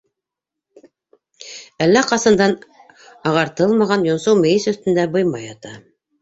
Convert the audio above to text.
Әллә ҡасандан ағартылмаған йонсоу мейес өҫтөндә быйма ята.